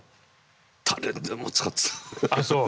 誰でも使ってた。